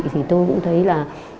tôi cũng thấy là